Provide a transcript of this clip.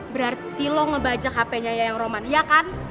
berarti lo ngebajak hpnya yang roman ya kan